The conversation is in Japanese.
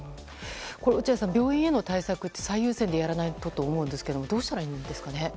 落合さん、病院への対策って最優先でやらないとと思うんですがどうしたらいいんですかね。